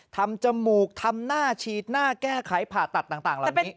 จมูกทำหน้าฉีดหน้าแก้ไขผ่าตัดต่างเหล่านี้